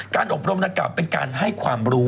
การอบรมนักการเป็นการให้ความรู้